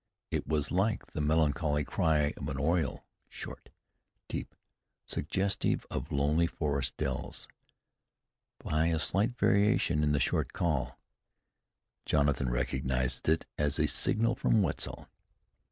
It was like the melancholy cry of an oriole, short, deep, suggestive of lonely forest dells. By a slight variation in the short call, Jonathan recognized it as a signal from Wetzel.